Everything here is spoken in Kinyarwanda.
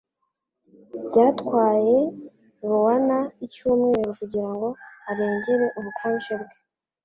Byatwaye Ioana icyumweru kugirango arengere ubukonje bwe.